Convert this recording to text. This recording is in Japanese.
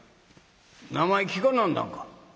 名前聞かなんだんか？」。